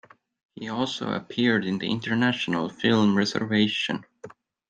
He also appeared in the international film, "Reservation".